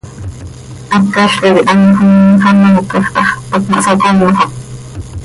Hácalca quih anxö imxanoocaj tax, pac ma hsaconxot.